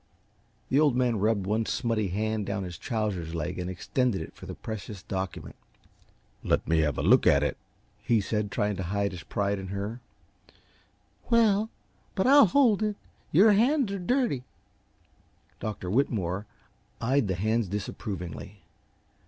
The Old Man rubbed one smutty hand down his trousers leg and extended it for the precious document. "Let me have a look at it," he said, trying to hide his pride in her. "Well, but I'll hold it. Your hands are dirty." Dr. Whitmore eyed the hands disapprovingly.